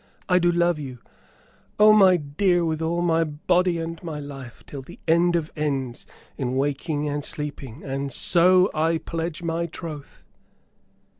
"I do love you, oh, my dear, with all my body and my life till the end of ends, in waking and sleeping. And so I pledge my troth."